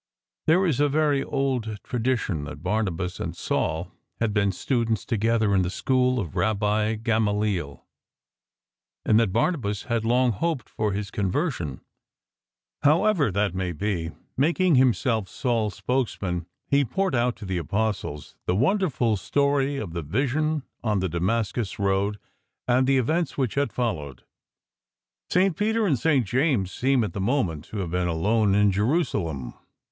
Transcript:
There is a very old tradition that Barnabas and Saul had been students together in the school of Rabbi Gamaliel, and that Barnabas had long hoped for his conversion. How ever that may be, making himself j^Saul's 27 " JESUS IS THE CHRIST " spokesman, he poured out to the Apostles the wonderful story of the vision on the Damascus road, and the events which had followed. St. Peter and St. J ames seem at the moment to have been alone in J erusalem.